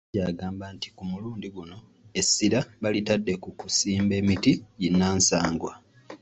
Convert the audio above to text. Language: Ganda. Mayanja agamba nti ku mulundi guno essira balitadde ku kusimba emiti ginnansangwa.